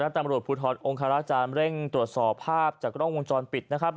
สำหรับตำรวจภูทธองค์คาราชาเร่งตรวจสอบภาพจากกล้องวงจรปิดนะครับ